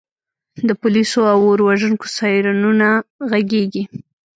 د پولیسو او اور وژونکو سایرنونه غږیږي